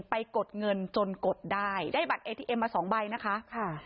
กดเงินจนกดได้ได้บัตรเอทีเอ็มมาสองใบนะคะค่ะ